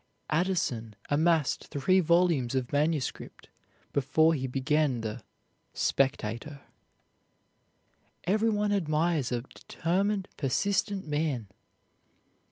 Addison amassed three volumes of manuscript before he began the "Spectator." Everyone admires a determined, persistent man.